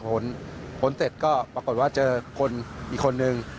พ้นเสร็จก็ปรากฏว่าเจอคนอีกคนนึง